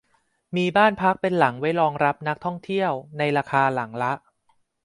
มีบ้านพักเป็นหลังไว้รองรับนักท่องเที่ยวในราคาหลังละ